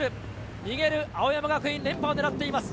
逃げる青山学院、連覇を狙っています。